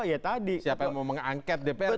siapa yang mau mengangket dpr kemudian